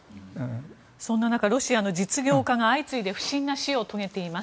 そんな中ロシアの実業家が相次いで不審な死を遂げています。